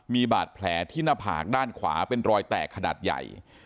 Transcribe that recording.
มีบาดแผลที่หน้าผากด้านขวาเป็นรอยแตกขนาดใหญ่